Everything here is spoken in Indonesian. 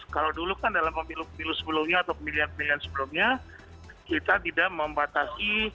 kalau dulu kan dalam pemilihan sebelumnya kita tidak membatasi